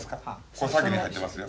これ先に入ってますよ。